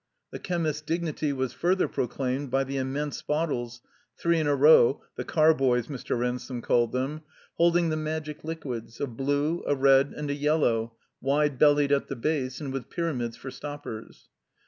The chemist's dignity was further proclaimed by the immense bottles, three in a row (the Carboys, Mr. Ransome called them), holding the magic liquids, a blue, a red, and a yellow, wide bellied at the base, and with pyramids for stoppers.